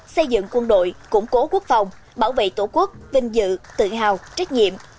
xây dựng quân đội củng cố quốc phòng bảo vệ tổ quốc vinh dự tự hào trách nhiệm